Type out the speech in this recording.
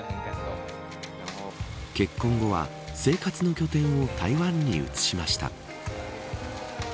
結婚後は、生活の拠点を台湾に移しました。